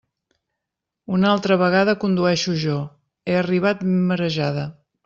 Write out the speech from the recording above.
Una altra vegada condueixo jo; he arribat ben marejada.